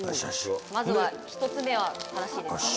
まずは１つ目は正しいです